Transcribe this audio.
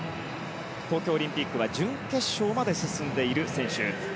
東京オリンピックは準決勝まで進んでいる選手。